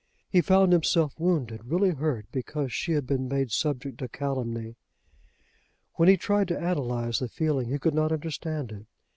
He found himself wounded, really hurt, because she had been made subject to calumny. When he tried to analyse the feeling he could not understand it.